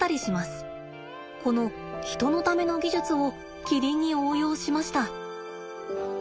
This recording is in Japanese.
この人のための技術をキリンに応用しました。